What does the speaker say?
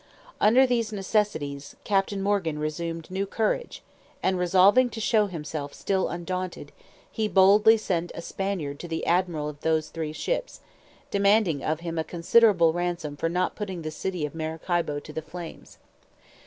Under these necessities, Captain Morgan resumed new courage, and resolving to show himself still undaunted, he boldly sent a Spaniard to the admiral of those three ships, demanding of him a considerable ransom for not putting the city of Maracaibo to the flames.